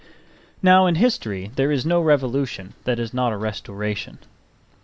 Now in history there is no Revolution that is not a Restoration.